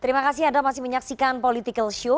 terima kasih anda masih menyaksikan political show